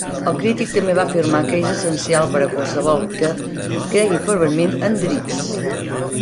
El crític també va afirmar que és essencial per a qualsevol que "cregui ferventment en Drizzt".